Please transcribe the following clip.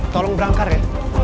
tolong berangkat ya